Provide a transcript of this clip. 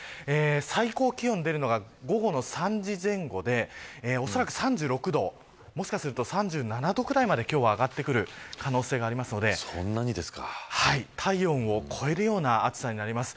最高気温出るのが午後の３時前後でおそらく３６度、もしかすると３７度ぐらいまで今日は上がってくる可能性がありますので体温を超えるような暑さになります。